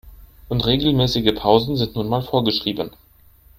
Und regelmäßige Pausen sind nun mal vorgeschrieben.